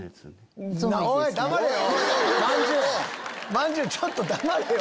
まんじゅうちょっと黙れよ！